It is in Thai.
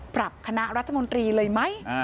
คณะรัฐมนตรีเลยไหม